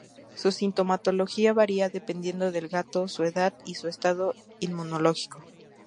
Su sintomatología varía dependiendo del gato, su edad y su estado inmunológico.